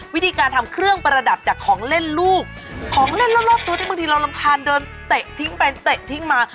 วิธีการทำเครื่องประดับจากของเล่นลูกของเล่นรอบตัวที่บางทีเรารำคาญเดินเตะทิ้งไปเตะทิ้งมา